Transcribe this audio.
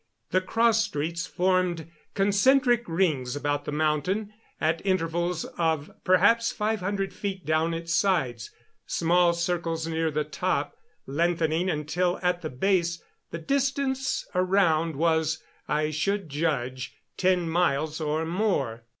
The cross streets formed concentric rings about the mountain, at intervals of perhaps five hundred feet down its sides small circles near the top, lengthening until at the base the distance around was, I should judge, ten miles or more.